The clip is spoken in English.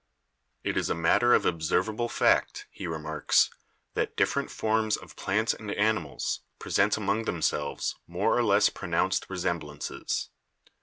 "It is a matter of observable fact," he remarks, "that different forms of plants and animals present among them selves more or less pronounced resemblances.